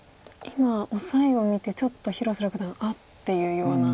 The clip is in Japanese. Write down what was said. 今オサエを見てちょっと広瀬六段「あっ！」っていうような。